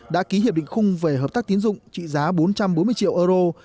đã ký hiệp định khung về hợp tác tiến dụng trị giá bốn trăm bốn mươi triệu euro